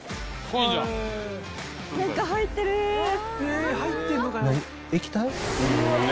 え入ってんのかな。